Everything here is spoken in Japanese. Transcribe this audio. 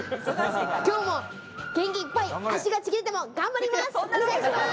きょうも元気いっぱい、足がちぎれても頑張ります。